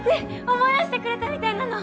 思い出してくれたみたいなの！